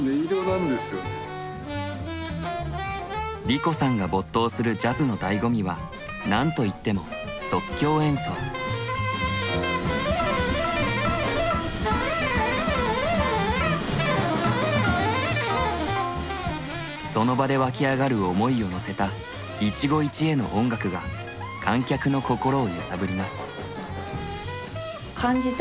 梨子さんが没頭するジャズのだいご味は何と言ってもその場で湧き上がる思いをのせた一期一会の音楽が観客の心を揺さぶります。